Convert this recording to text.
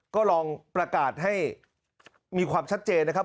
ก็ลองประกาศให้มีความชัดเจนนะครับ